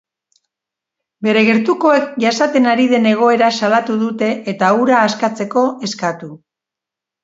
Bere gertukoek jasaten ari den egoera salatu dute eta hura askatzeko eskatu.